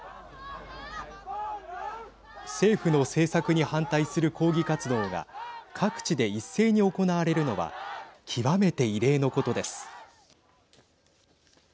政府の政策に反対する抗議活動が各地で一斉に行われるのは極めて異例のことです。